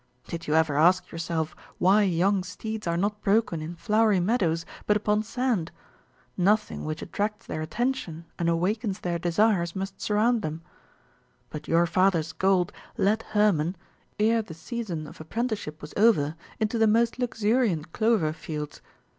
Did you ever ask yourself why young steeds are not broken in flowery meadows, but upon sand? Nothing which attracts their attention and awakens their desires must surround them; but your father's gold led Hermon, ere the season of apprenticeship was over, into the most luxuriant clover fields.